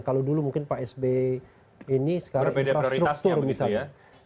kalau dulu mungkin pak sby ini sekarang infrastruktur